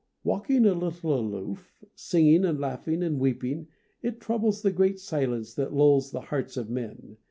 Walking a little aloof, singing and laughing and weeping, it troubles the great silence that lulls the hearts of men.